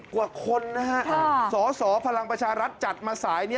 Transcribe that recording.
กว่าคนนะฮะสสพลังประชารัฐจัดมาสายนี้